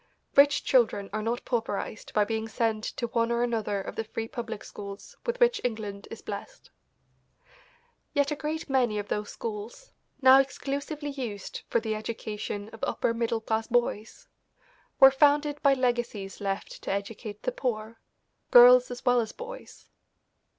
Rich children are not pauperized by being sent to one or another of the free public schools with which England is blest. Yet a great many of those schools, now exclusively used for the education of upper middle class boys, were founded by legacies left to educate the poor girls as well as boys.